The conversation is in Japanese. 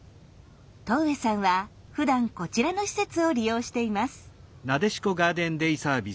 戸上さんはふだんこちらの施設を利用しています。